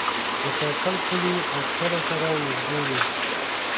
د کاکړ کلي اکثره سره نږدې وي.